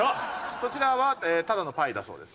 そちらはただのパイだそうです。